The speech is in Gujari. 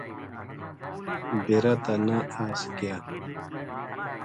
ڈیرا تا نہ آسکیا